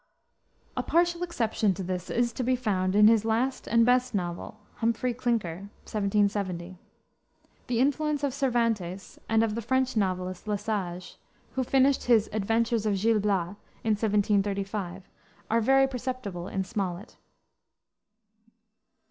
A partial exception to this is to be found in his last and best novel, Humphrey Clinker, 1770. The influence of Cervantes and of the French novelist, Le Sage, who finished his Adventures of Gil Blas in 1735, are very perceptible in Smollett.